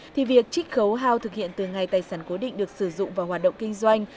thì việc trích khấu hao thực hiện từ ngày tài sản cố định được sử dụng vào hoạt động kinh doanh